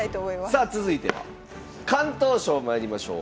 さあ続いては敢闘賞まいりましょう。